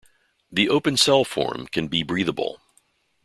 The open-cell form can be breathable.